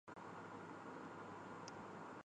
শেষে দেখা যায় কাজের কাজ কিছুই হয়নি।